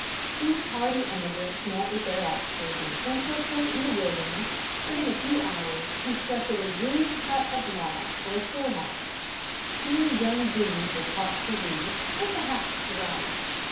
These hardy emigrants met with their axes in a central point in the wilderness, and in a few hours constructed a rude hut of logs for a school house. Here young Boone was taught to read, and perhaps to write.